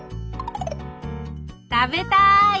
食べたい！